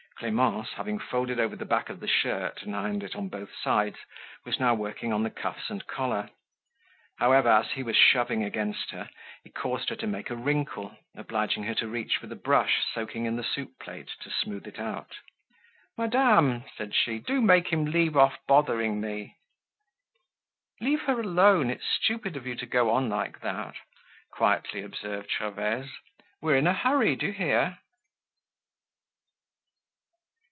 Clemence, having folded over the back of the shirt and ironed it on both sides, was now working on the cuffs and collar. However, as he was shoving against her, he caused her to make a wrinkle, obliging her to reach for the brush soaking in the soup plate to smooth it out. "Madame," said she, "do make him leave off bothering me." "Leave her alone; it's stupid of you to go on like that," quietly observed Gervaise. "We're in a hurry, do you hear?"